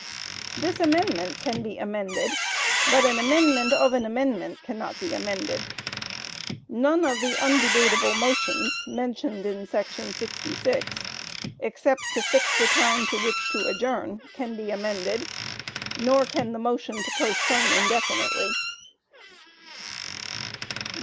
This amendment can be amended, but an "amendment of an amendment" cannot be amended. None of the undebatable motions mentioned in § 66, except to fix the time to which to adjourn, can be amended, nor can the motion to postpone indefinitely.